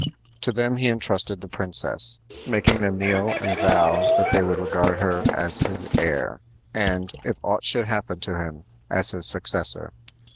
To them he intrusted the princess, making them kneel and vow that they would regard her as his heir, and, if aught should happen to him, as his successor.